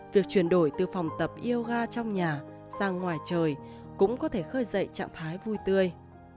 việc chuyển đổi từ phòng tập yoga trong nhà sang ngoài trời cũng có thể khơi dậy trạng thái vui tươi